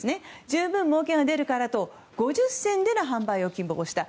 十分もうけがでるからと５０銭での販売を希望した。